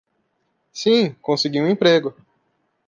Sim, consegui um emprego.